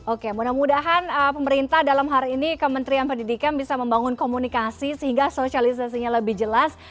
oke mudah mudahan pemerintah dalam hari ini kementerian pendidikan bisa membangun komunikasi sehingga sosialisasinya lebih jelas